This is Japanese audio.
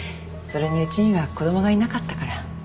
それにうちには子供がいなかったから